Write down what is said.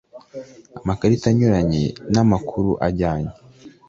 amakarita anyuranye n amakuru ajyanye